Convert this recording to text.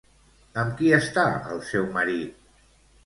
Amb qui està el seu marit?